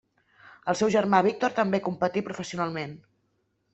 El seu germà Víctor també competí professionalment.